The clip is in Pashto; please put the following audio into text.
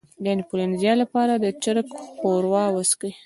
د انفلونزا لپاره د چرګ ښوروا وڅښئ